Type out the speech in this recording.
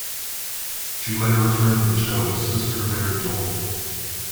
She later returned to the show as Sister Mary Joel.